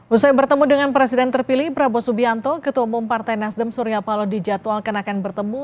usai bertemu dengan presiden terpilih prabowo subianto ketua umum partai nasdem surya paloh dijadwalkan akan bertemu